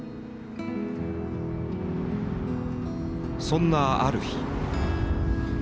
そんなある日。